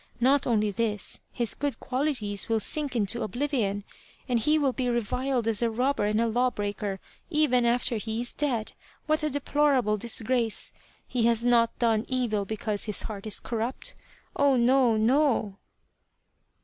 Not only this, his good qualities will sink into oblivion, and he will be reviled as a robber and a law breaker even after he is dead. What a deplorable disgrace ! He has not done evil because his heart is corrupt oh, no, no